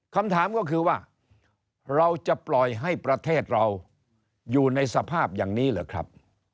คำถามก็คือว่าเราจะปล่อยให้ประเทศเราอยู่ในสภาพอย่างนี้เหรอครับ